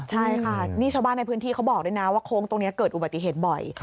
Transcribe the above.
ใช่ค่ะนี่ชาวบ้านในพื้นที่เขาบอกด้วยนะว่าโค้งตรงนี้เกิดอุบัติเหตุบ่อย